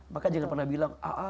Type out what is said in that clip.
maka jangan pernah bilang